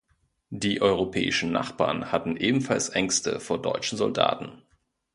Die europäischen Nachbarn hatten ebenfalls Ängste vor deutschen Soldaten.